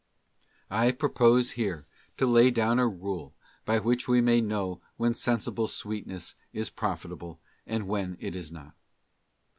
I propose here to lay down a rule by which we may know when sensible sweetness is profitable, and when it is not.